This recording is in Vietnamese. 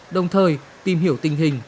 đồng thời tìm hiểu tình hình